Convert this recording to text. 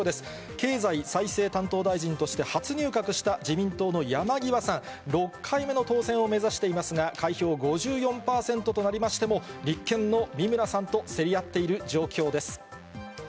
経済再生担当大臣として初入閣した、自民党の山際さん、６回目の当選を目指していますが、開票５４％となりましても、立憲の三村さんと競り合っている状況です。